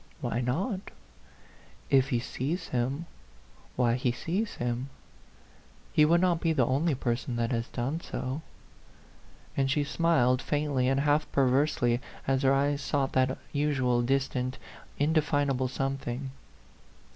" Why not ? If he sees him, why he sees him. He would not be the only person that has done so ;" and she smiled faintly and half perversely, as her eyes sought that usual distant, indefinable something.